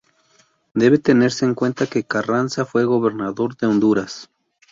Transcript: Debe tenerse en cuenta que Carranza fue gobernador de Honduras.